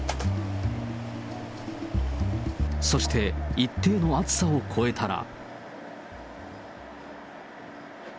そして、一定の暑さを超えたら。